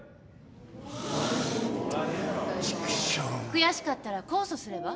悔しかったら控訴すれば？